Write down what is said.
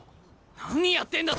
何やってんだ冨樫！